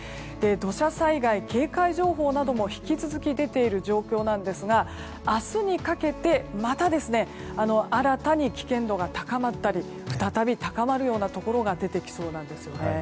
土砂災害警戒情報なども引き続き出ている状況ですが明日にかけてまた新たに危険度が高まったり再び高まるようなところが出てきそうなんですよね。